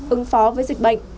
ứng phó với dịch bệnh